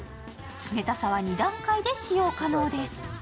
冷たさは２段階で使用可能です。